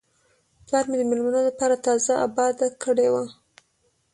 پلار مې د میلمنو لپاره تازه آباده کړې وه.